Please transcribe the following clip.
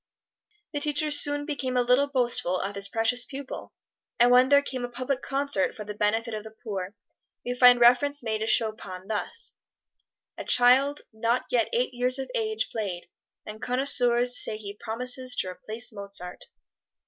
The teacher soon became a little boastful of his precocious pupil, and when there came a public concert for the benefit of the poor, we find reference made to Chopin thus, "A child not yet eight years of age played, and connoisseurs say he promises to replace Mozart."